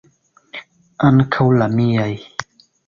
Ankaŭ la miaj!